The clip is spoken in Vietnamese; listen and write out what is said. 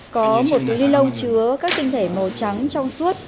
có một túi ni lông chứa các tinh thể màu trắng trong suốt